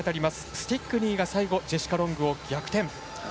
スティックニーが最後、ジェシカ・ロングを逆転。